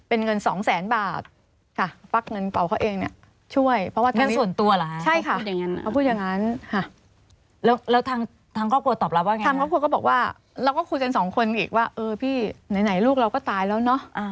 เออพี่ไหน่ลูกเราก็ตายแล้วเนอะ